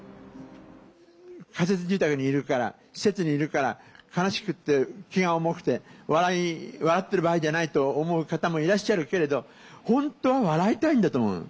仮設住宅にいるから施設にいるから悲しくって気が重くて笑ってる場合じゃないと思う方もいらっしゃるけれど本当は笑いたいんだと思う。